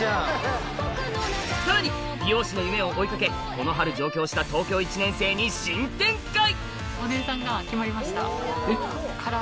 さらに美容師の夢を追い掛けこの春上京した東京１年生に新展開！